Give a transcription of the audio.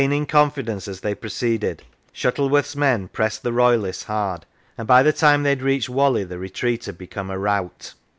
The War of Religion confidence as they proceeded, Shuttleworth's men pressed the Royalists hard, and by the time they had reached Whalley the retreat had become a rout.